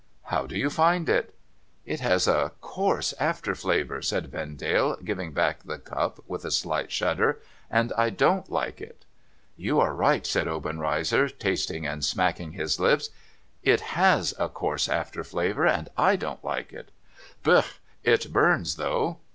' How do you find it ?'' It has a coarse after flavour,' said Vendale, giving back the cup with a slight shudder, ' and I don't like it.' 544 NO THOROUGHFARE ' You are right,' said Obenreizer, tasting, and smacking his hps ;' it has a coarse after flavour, and / don't Hke it. Booh ! It burns, though